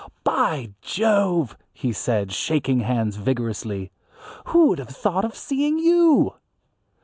"By Jove!" he said, shaking hands vigorously, "who would have thought of seeing you?"